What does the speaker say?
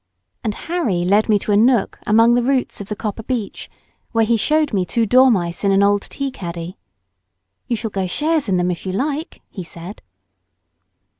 And Harry led me to a nook among the roots of the copper beech, where he showed me two dormice in an old tea caddy. "You shall go shares in them if you like," he said.